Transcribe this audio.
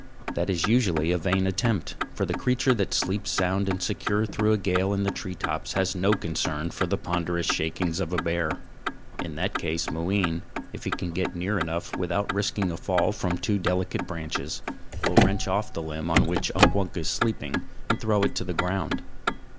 That is usually a vain attempt; for the creature that sleeps sound and secure through a gale in the tree tops has no concern for the ponderous shakings of a bear. In that case Mooween, if he can get near enough without risking a fall from too delicate branches, will wrench off the limb on which Unk Wunk is sleeping and throw it to the ground.